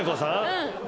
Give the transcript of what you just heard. うん。